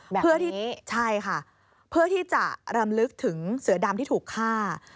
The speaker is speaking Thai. แบบเพื่อที่ใช่ค่ะเพื่อที่จะรำลึกถึงเสือดำที่ถูกฆ่า